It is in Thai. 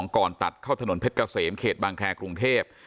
ก่อนตัดเข้าถนนเพชรเกษมเขตบางแครกรุงเทพ